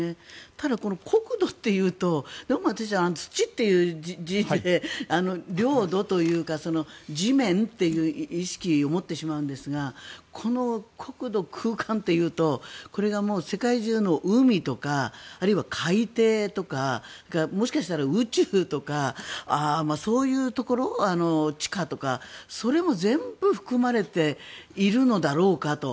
ただ、国土っていうとどうも私は、土という字で領土というか、地面という意識を持ってしまうんですがこの国土、空間というと世界中の海とかあるいは海底とかもしかしたら宇宙とかそういうところ、地下とかそれも全部含まれているのだろうかと。